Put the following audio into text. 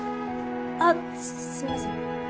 あっすみません。